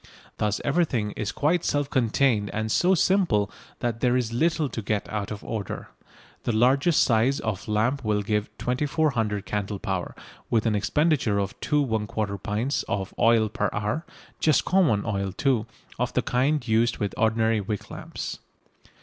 Thus everything is quite self contained and so simple that there is little to get out of order. The largest size of lamp will give 2400 candle power, with an expenditure of 2 1/4 pints of oil per hour, just common oil, too, of the kind used with ordinary wick lamps.